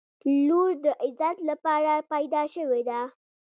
• لور د عزت لپاره پیدا شوې ده.